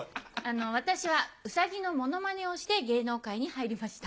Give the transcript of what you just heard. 私はウサギのモノマネをして芸能界に入りました。